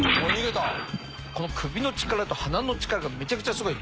この首の力と鼻の力がめちゃくちゃすごい。